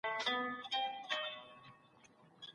په حضوري زده کړه کي د ټولګي فضا د زده کړي هڅونه کوي.